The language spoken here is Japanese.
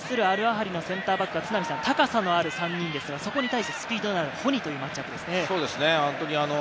アルアハリのセンターバックは高さのある３人ですが、そこに対してスピードのあるホニというマッチアップですね。